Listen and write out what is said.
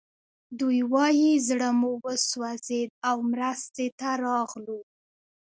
دوی وايي زړه مو وسوځېد او مرستې ته راغلو